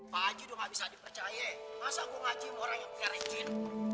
pak haji udah gak bisa dipercaya masa gue ngajin orang yang piharan jin